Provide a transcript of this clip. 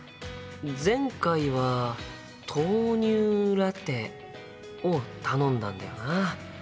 前回は豆乳ラテを頼んだんだよな。